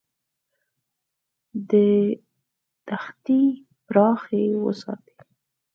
دښتې پراخې وساته.